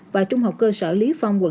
và trung học cơ sở lý phong quận năm